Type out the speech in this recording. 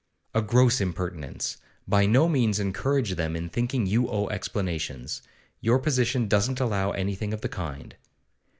'A gross impertinence! By no means encourage them in thinking you owe explanations. Your position doesn't allow anything of the kind.